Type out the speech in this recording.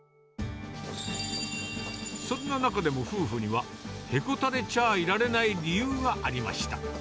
そんな中でも、夫婦にはへこたれちゃあいられない理由がありました。